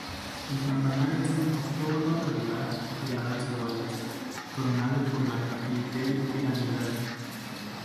El campanario es un octógono regular de lados iguales, coronado por un capitel piramidal.